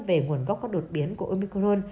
về nguồn gốc các đột biến của omicron